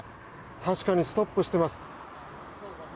確かにストップしてます。